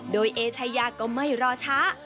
โดยเอชายาก็ไม่รอช้า